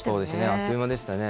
あっという間でしたね。